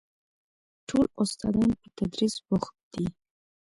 ټول استادان په تدريس بوخت دي.